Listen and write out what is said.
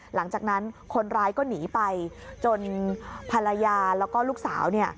หลังจากนั้นคนร้ายก็หนีไปจนภรรยาแล้วก็ลูกสาวเนี่ย